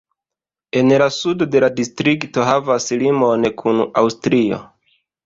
En la sudo la distrikto havas limon kun Aŭstrio.